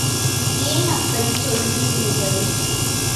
ஏன் அப்படிச் சொல்கிறீர்கள்?